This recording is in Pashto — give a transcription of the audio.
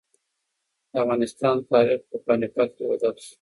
د افغانستان تاریخ په پاني پت کې بدل شو.